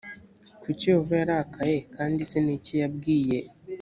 kuki yehova yarakaye kandi se ni iki yabwiye